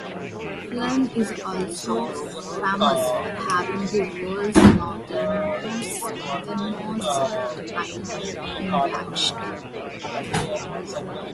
Flen is also famous for having the world's northernmost vineyard, in Blacksta.